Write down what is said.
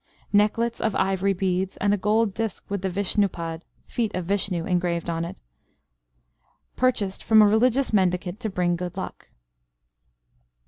Necklets of ivory beads, and a gold disc with the Vishnupad (feet of Vishnu) engraved on it, purchased from a religious mendicant to bring good luck.